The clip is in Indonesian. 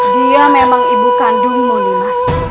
dia memang ibu kandung monimas